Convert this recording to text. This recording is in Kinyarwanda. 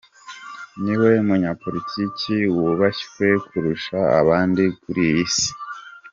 Niwe munyapolitiki wubashywe kurusha abandi kuri iyi si.